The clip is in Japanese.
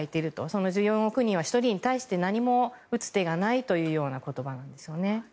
その１４億人は１人に対して何も打つ手がないというような言葉なんですよね。